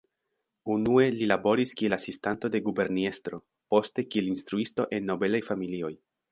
Unue li laboris kiel asistanto de guberniestro, poste kiel instruisto en nobelaj familioj.